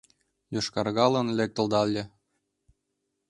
Йошкаргалын лектылдале.